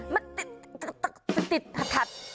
มันติดถัด